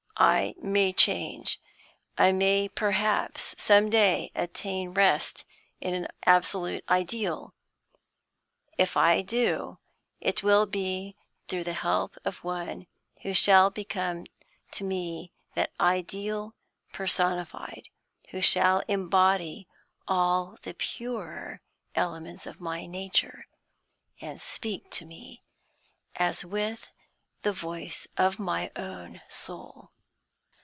I may change; I may perhaps some day attain rest in an absolute ideal. If I do, it will be through the help of one who shall become to me that ideal personified, who shall embody all the purer elements of my nature, and speak to me as with the voice of my own soul."